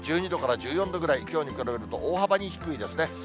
１２度から１４度くらい、きょうに比べると大幅に低いですね。